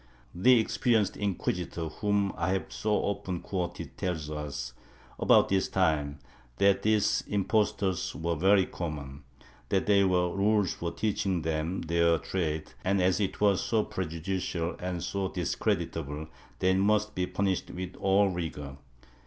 ^ The experienced inquisitor whom I have so often quoted tells us, about this time, that these impostors were very common ; that there were rules for teaching them their trade and, as it was so prejudicial and so discreditable, they must be punished with all rigor.